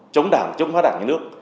chống đảng chống hóa đảng nhà nước